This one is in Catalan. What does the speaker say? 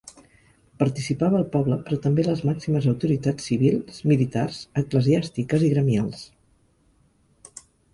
Participava el poble però també les màximes autoritats civils, militars, eclesiàstiques i gremials.